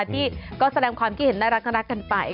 ที่ก็แสดงความคิดเห็นน่ารักกันไป